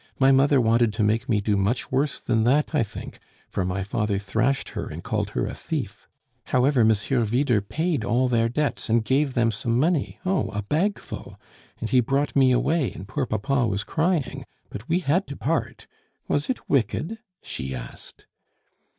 My mother wanted me to do much worse than that, I think, for my father thrashed her and called her a thief! However, Monsieur Vyder paid all their debts, and gave them some money oh, a bagful! And he brought me away, and poor papa was crying. But we had to part! Was it wicked?" she asked.